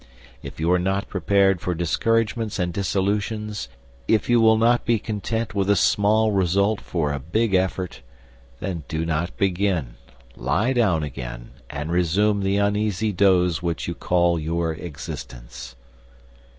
If you are not prepared for discouragements and disillusions; if you will not be content with a small result for a big effort, then do not begin. Lie down again and resume the uneasy doze which you call your existence.